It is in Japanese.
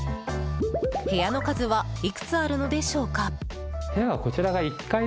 部屋の数はいくつあるのでしょうか？